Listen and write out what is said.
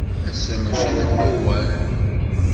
Ass-a maci d Newwal!